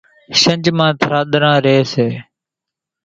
شنجھ مان ٿراۮران ريئيَ سي۔